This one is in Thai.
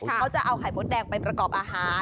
เขาจะเอาไข่มดแดงไปประกอบอาหาร